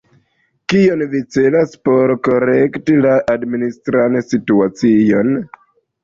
Kion vi celas per ”korekti la administran situacion”?